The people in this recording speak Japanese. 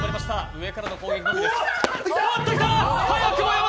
上からの攻撃のみです。